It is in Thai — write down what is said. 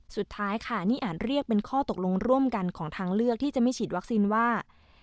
สุดท้ายค่ะนี่อาจเรียกเป็นข้อตกลงร่วมกันของทางเลือกที่จะไม่ฉีดวัคซีนว่า